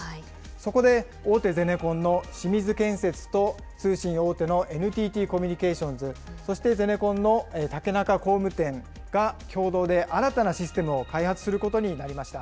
そこで、大手ゼネコンの清水建設と通信大手のＮＴＴコミュニケーションズ、そしてゼネコンの竹中工務店が、共同で新たなシステムを開発することになりました。